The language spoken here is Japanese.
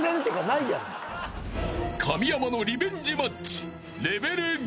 ［神山のリベンジマッチ］